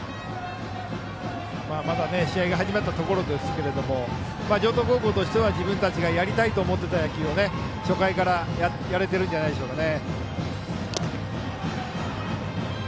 まだ試合が始まったところですが城東高校としては自分たちがやりたいと思っていた野球を初回からやれているんじゃないでしょうか。